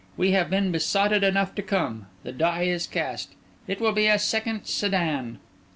We have been besotted enough to come; the die is cast—it will be a second Sédan."